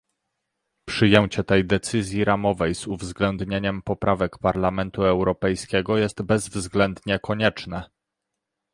Przyjęcie tej decyzji ramowej z uwzględnieniem poprawek Parlamentu Europejskiego jest bezwzględnie konieczne